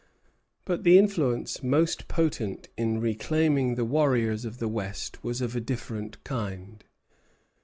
But the influence most potent in reclaiming the warriors of the West was of a different kind.